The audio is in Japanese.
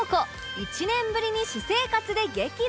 １年ぶりに私生活で激怒！